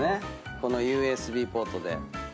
このＵＳＢポートで。